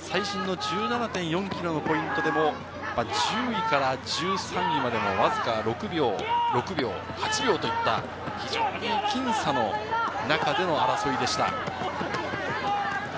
最新の１７．４ｋｍのポイントでも、１０位から１３位までのわずか６秒、８秒といった非常に僅差の中での争いでした。